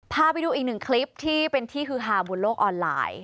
พาไปดูอีกหนึ่งคลิปที่เป็นที่ฮือฮาบนโลกออนไลน์